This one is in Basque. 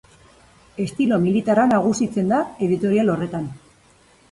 Estilo militarra nagusitzen da editorial horretan.